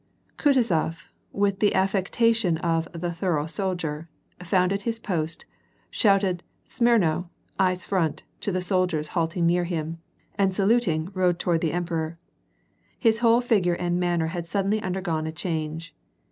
Kutuzof, with an affectation of "the thorough soldier" found at his post, shouted " ^mtmo," " eyes front," to the sol diers halting near him, and saluting rode toward the emperor. His whole figure and manner had suddenly undergone a change.